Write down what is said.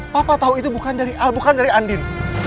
papa tahu itu bukan dari andin